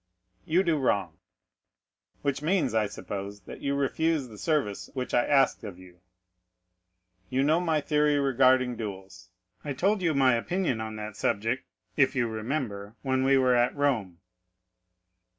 "You do wrong." "Which means, I suppose, that you refuse the service which I asked of you?" "You know my theory regarding duels; I told you my opinion on that subject, if you remember, when we were at Rome."